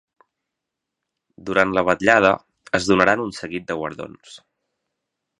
Durant la vetllada es donaran un seguit de guardons.